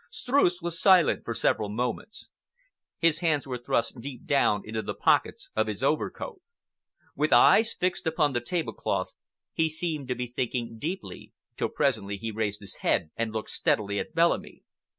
Streuss was silent for several moments. His hands were thrust deep down into the pockets of his overcoat. With eyes fixed upon the tablecloth, he seemed to be thinking deeply, till presently he raised his head and looked steadily at Bellamy.